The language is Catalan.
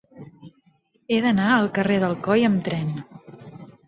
He d'anar al carrer d'Alcoi amb tren.